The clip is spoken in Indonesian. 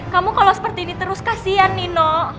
kamu kalau seperti ini terus kasihan nino